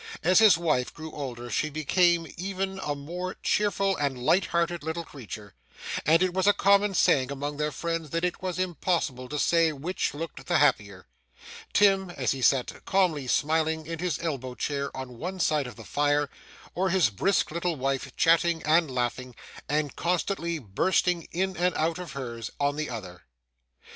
As his wife grew older, she became even a more cheerful and light hearted little creature; and it was a common saying among their friends, that it was impossible to say which looked the happier, Tim as he sat calmly smiling in his elbow chair on one side of the fire, or his brisk little wife chatting and laughing, and constantly bustling in and out of hers, on the other.